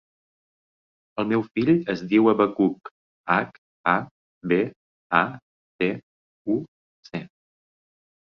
El meu fill es diu Habacuc: hac, a, be, a, ce, u, ce.